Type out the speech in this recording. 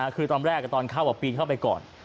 คือตอนแรกตอนเข้าปีนเข้าไปก่อน